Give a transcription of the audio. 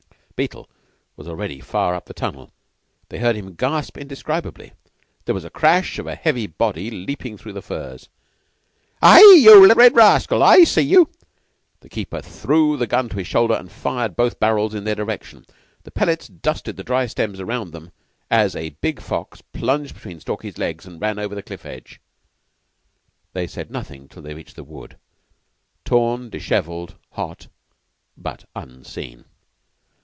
Beetle was already far up the tunnel. They heard him gasp indescribably: there was the crash of a heavy body leaping through the furze. "Aie! yeou little red rascal. I see yeou!" The keeper threw the gun to his shoulder, and fired both barrels in their direction. The pellets dusted the dry stems round them as a big fox plunged between Stalky's legs, and ran over the cliff edge. They said nothing till they reached the wood, torn, disheveled, hot, but unseen.